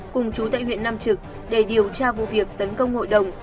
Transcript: cùng chú tại huyện nam trực để điều tra vụ việc tấn công hội đồng